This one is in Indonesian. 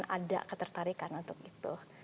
dan ada ketertarikan untuk itu